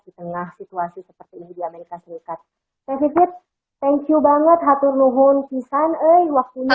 di tengah situasi seperti ini di amerika serikat tv thank you banget hatur luhun kisan waktunya